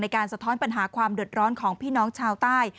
การสะท้อนปัญหาความเดือดร้อนของพี่น้องชาวใต้